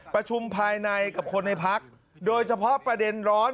ประชุมภายในกับคนในพักโดยเฉพาะประเด็นร้อน